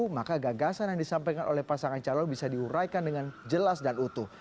maka gagasan yang disampaikan oleh pasangan calon bisa diuraikan dengan jelas dan utuh